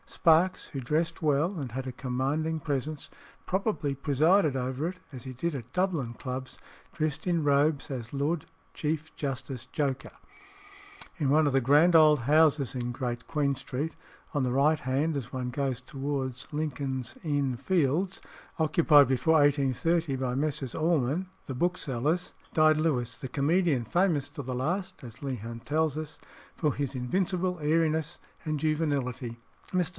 Sparkes, who dressed well and had a commanding presence, probably presided over it, as he did at Dublin clubs, dressed in robes as Lord Chief Justice Joker. In one of the grand old houses in Great Queen Street, on the right hand as one goes towards Lincoln's Inn Fields, occupied before 1830 by Messrs. Allman the booksellers, died Lewis the comedian, famous to the last, as Leigh Hunt tells us, for his invincible airiness and juvenility. "Mr.